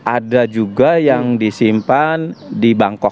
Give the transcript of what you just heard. ada juga yang disimpan di bangkok